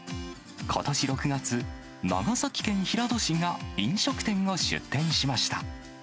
ことし６月、長崎県平戸市が飲食店を出店しました。